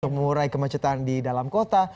mengurai kemacetan di dalam kota